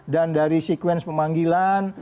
dan dari sekuensi pemanggilan